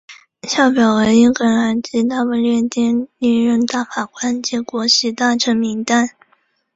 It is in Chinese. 下表为英格兰及大不列颠历任大法官及国玺大臣名单。